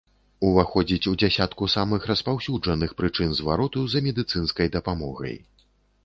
Уваходзіць у дзясятку самых распаўсюджаных прычын звароту за медыцынскай дапамогай.